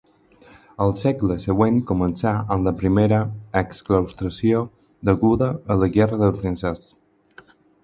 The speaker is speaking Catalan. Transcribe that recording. El segle següent començà amb la primera exclaustració, deguda a la guerra del Francès.